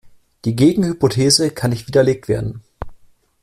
Die Gegenhypothese kann nicht widerlegt werden.